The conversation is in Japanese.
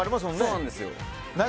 そうなんですよ